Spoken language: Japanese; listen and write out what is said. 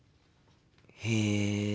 へえ。